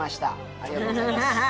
ありがとうございます。